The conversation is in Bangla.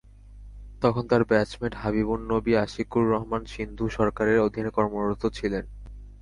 তখন তাঁর ব্যাচমেট হাবিবুন নবী আশিকুর রহমান সিন্ধু সরকারের অধীনে কর্মরত ছিলেন।